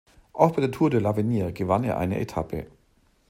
Auch bei der Tour de l’Avenir gewann er eine Etappe.